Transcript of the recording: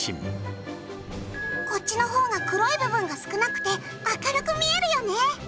こっちの方が黒い部分が少なくて明るく見えるよね。